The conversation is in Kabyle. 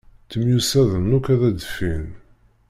Ttemyussaden akk ad d-ffin.